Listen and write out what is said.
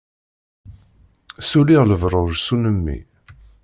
Suliɣ lebruj s umenni.